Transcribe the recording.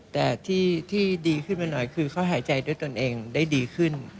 แต่ที่ดีขึ้นไปหน่อยคือเขาหายใจด้วยตนเองได้ดีขึ้น